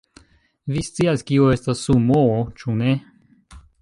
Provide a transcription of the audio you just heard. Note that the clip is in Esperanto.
Vi scias, kio estas sumoo, ĉu ne?